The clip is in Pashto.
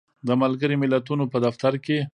د ملګری ملتونو په دفتر کې